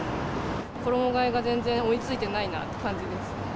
衣がえが全然追いついてないなって感じですね。